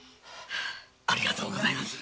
ありがとうございます。